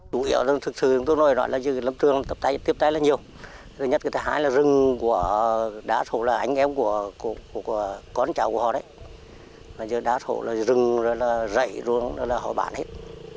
các đối tượng của con cháu của họ đá thổ rừng rậy rung là họ bản hết